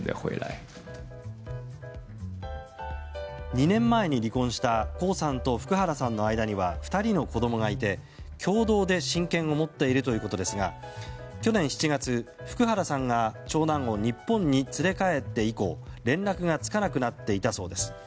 ２年前に離婚した江さんと福原さんの間には２人の子供がいて共同で親権を持っているということですが去年７月、福原さんが長男を日本に連れ帰って以降連絡がつかなくなっていたそうです。